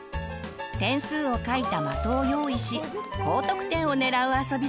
点数を書いた的を用意し高得点をねらう遊びです。